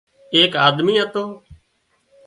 ايڪ آۮمي هتو